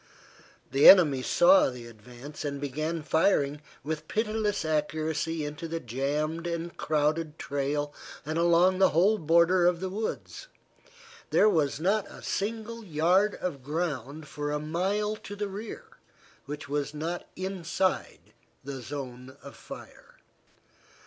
The enemy saw the advance and began firing with pitiless accuracy into the jammed and crowded trail and along the whole border of the woods. There was not a single yard of ground for a mile to the rear which was not inside the zone of fire.